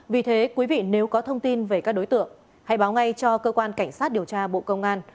vì thế quý vị nếu có thông tin về các đối tượng hãy báo ngay cho cơ quan cảnh sát điều tra bộ công an